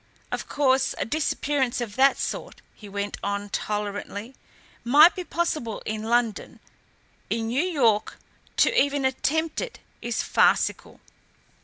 Of course, a disappearance of that sort," he went on tolerantly, "might be possible in London. In New York, to even attempt it is farcical."